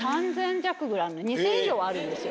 ２０００以上はあるんですよ。